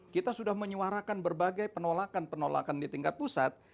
kita sudah menyuarakan berbagai penolakan penolakan di tingkat pusat